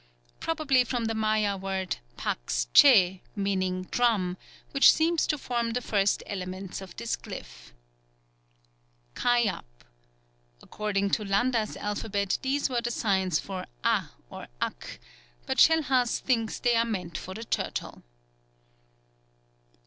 _ Probably from the Maya word pax che, meaning "drum," which seems to form the first elements of this glyph. 17th. Kay ab. According to Landa's alphabet these were the signs for a or ak, but Schellhas thinks they are meant for the turtle.